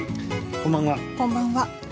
こんばんは。